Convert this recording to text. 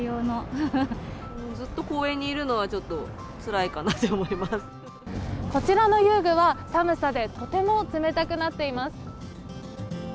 ずっと公園にいるのはちょっこちらの遊具は、寒さでとても冷たくなっています。